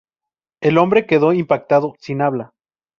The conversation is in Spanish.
El hombre quedó impactado, sin habla.